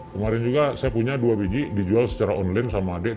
kemarin juga saya punya dua biji dijual secara online sama adik